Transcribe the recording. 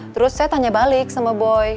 terus saya tanya balik sama boy